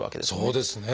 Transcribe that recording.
そうですね。